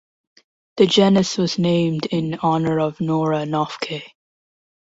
The genus was named in honor of Nora Noffke.